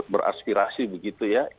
beraspirasi begitu ya